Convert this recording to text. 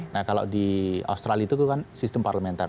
nah kalau di australia itu kan sistem parlementer